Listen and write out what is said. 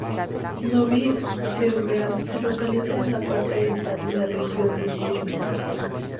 Novi Beograd se localiza en la parte oriental de la región de Sirmia.